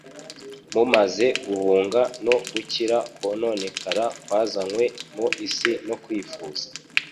mumaze guhunga no gukira kononekara kwazanywe mu isi no kwifuza